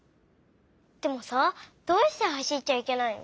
でもさどうしてはしっちゃいけないの？